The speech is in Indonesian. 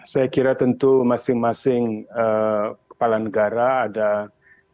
saya kira tentu masing masing kepala negara ada sifat dan cara pendekatannya yang mungkin berbeda